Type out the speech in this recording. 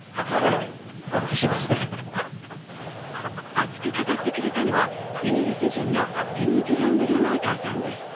熱く語ってくれたのはイギリス人のトゥミ・グレンデル・マーカンさんです。